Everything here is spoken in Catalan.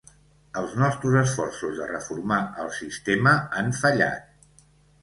Els nostres esforços de reformar el sistema han fallat.